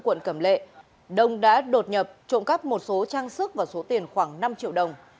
quận cẩm lệ đông đã đột nhập trộm cắp một số trang sức và số tiền khoảng năm triệu đồng